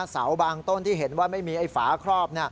เสาบางต้นที่เห็นว่าไม่มีไอ้ฝาครอบ